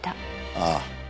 ああ。